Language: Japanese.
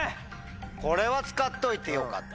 これは使っといてよかった。